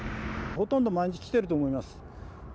ほとんど毎日来ていると思います。